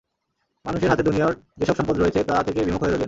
মানুষের হাতে দুনিয়ার যেসব সম্পদ রয়েছে তা থেকে বিমুখ হয়ে রইলেন।